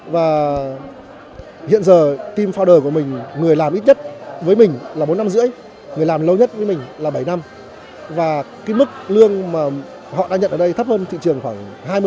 và hiện giờ team fouder của mình người làm ít nhất với mình là bốn năm rưỡi người làm lâu nhất với mình là bảy năm và cái mức lương mà họ đang nhận ở đây thấp hơn thị trường khoảng hai mươi